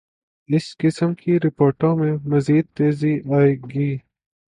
اس قسم کی رپورٹوں میںمزید تیزی آئے گی۔